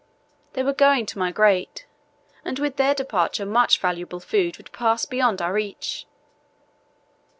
They were going to migrate, and with their departure much valuable food would pass beyond our reach.